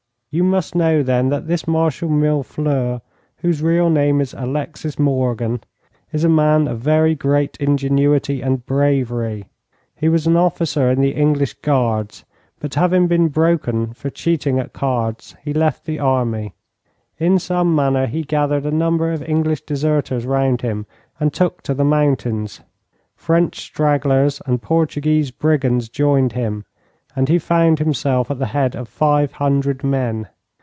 You must know, then, that this Marshal Millefleurs, whose real name is Alexis Morgan, is a man of very great ingenuity and bravery. He was an officer in the English Guards, but having been broken for cheating at cards, he left the army. In some manner he gathered a number of English deserters round him and took to the mountains. French stragglers and Portuguese brigands joined him, and he found himself at the head of five hundred men.